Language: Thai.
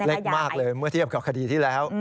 เล็กมากเลยเมื่อเทียบกับคดีที่แล้ว